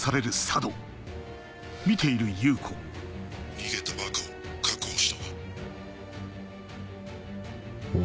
逃げたバカを確保したわ。